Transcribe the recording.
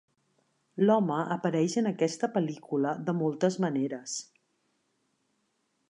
L'home apareix en aquesta pel·lícula de moltes maneres.